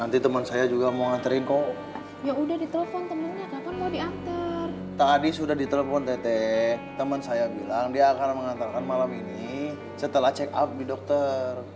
temen saya bilang dia akan mengantarkan malam ini setelah check up di dokter